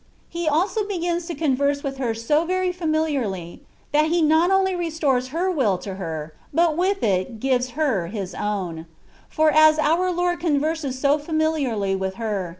He also begins to converse with her so very familiarly that He not only restores her will to her, but with it gives her His own ; for as our Lord con verses so familiarly with her.